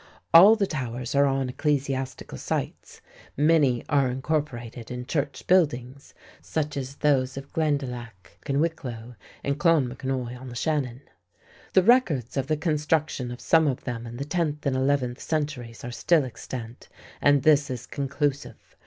All the towers are on ecclesiastical sites, many are incorporated in church buildings, such as those of Glendalough in Wicklow and Clonmacnois on the Shannon, The records of the construction of some of them in the tenth and eleventh centuries are still extant, and this is conclusive.